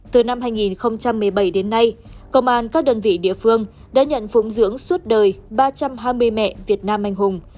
từ năm hai nghìn một mươi bảy đến nay công an các đơn vị địa phương đã nhận phụng dưỡng suốt đời ba trăm hai mươi mẹ việt nam anh hùng